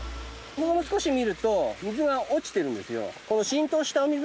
もう少し見ると水が落ちてるんですよ。